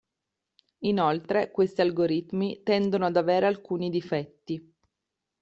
Inoltre questi algoritmi tendono ad avere alcuni difetti.